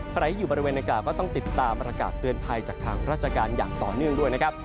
ใครอยู่บริเวณอากาศก็ต้องติดตามประกาศเตือนภัยจากทางราชการอย่างต่อเนื่องด้วยนะครับ